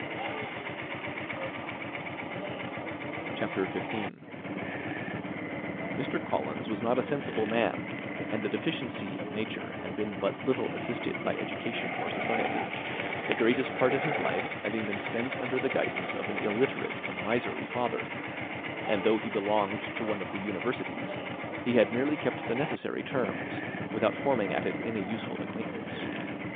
CHAPTER XV. Mr. Collins was not a sensible man, and the deficiency of nature had been but little assisted by education or society; the greatest part of his life having been spent under the guidance of an illiterate and miserly father; and though he belonged to one of the universities, he had merely kept the necessary terms without forming at it any useful acquaintance.